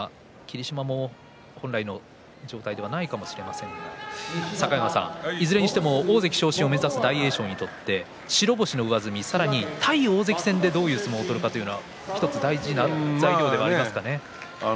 霧島も本来の状態ではないかもしれませんが境川さん、いずれにしても大関昇進を目指す大栄翔にとっては対大関戦でどういう相撲を取るかというのも大事ですね。